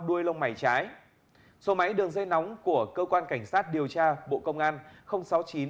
đuôi lông mài trái số máy đường dây nóng của cơ quan cảnh sát điều tra bộ công an sáu mươi chín hai trăm ba mươi bốn